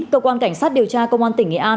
cơ quan cảnh sát điều tra công an tỉnh nghệ an